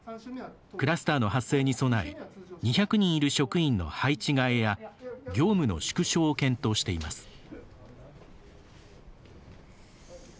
クラスターの発生に備え２００人いる職員の配置換えや業務の縮小を検討しています。